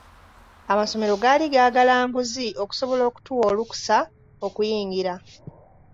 Amasomero gaali gaagala nguzi okusobola okutuwa olukusa okuyingira.